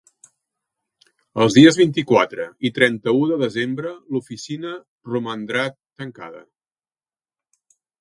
Els dies vint-i-quatre i trenta-u de desembre l'oficina romandrà tancada.